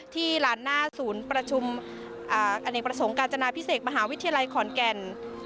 หลานหน้าศูนย์ประชุมอเนกประสงค์กาญจนาพิเศษมหาวิทยาลัยขอนแก่น